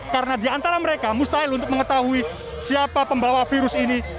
karena di antara mereka mustahil untuk mengetahui siapa pembawa virus ini